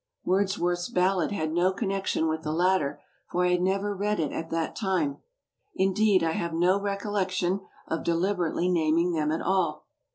Wordsworth's ballad had no connection with the latter, for I had never read it at that dme. Indeed, I have no recollec don of deliberately naming them at all.